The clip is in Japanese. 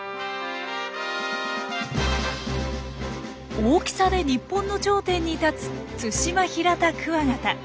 大きさで日本の頂点に立つツシマヒラタクワガタ。